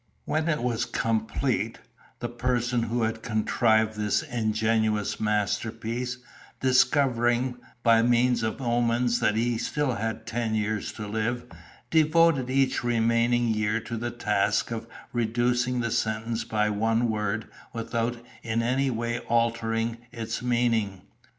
When it was complete, the person who had contrived this ingenious masterpiece, discovering by means of omens that he still had ten years to live, devoted each remaining year to the task of reducing the sentence by one word without in any way altering its meaning.